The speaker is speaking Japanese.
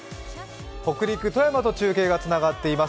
北陸富山と中継がつながっています。